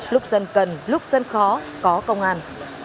lúc dân cần lúc dân khó có công an